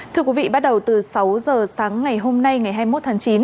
thưa quý vị bắt đầu từ sáu giờ sáng ngày hôm nay ngày hai mươi một tháng chín